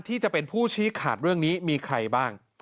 ที่จะเป็นผู้ชี้ขาดเรื่องนี้มีใครบ้าง